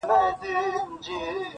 په ځنګله کي د چینجیو د میندلو -